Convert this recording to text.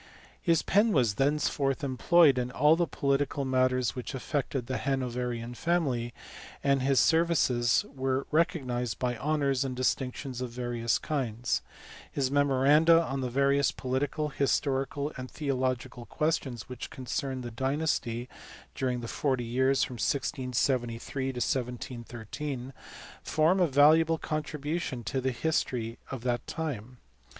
His pen was thenceforth employed in all the political matters which affected the Hanoverian family, and his services were recognized by honours and distinctions of various kinds : his memoranda on the various political, historical, and theological questions which concerned the dynasty during the forty years from 1673 to 1713 form a valuable contribution to the history of that time.